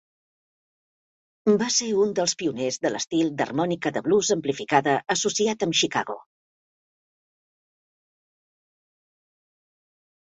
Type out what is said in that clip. Va ser un dels pioners de l'estil d'harmònica de blues amplificada associat amb Chicago.